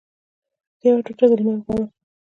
زه یوه ټوټه د لمر غواړم